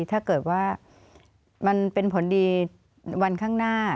ถ้าเกิดว่ามันเป็นผลดีวันข้างหน้า